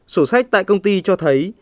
sổ sách tại công ty cho thấy